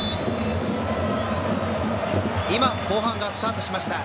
今後半がスタートしました。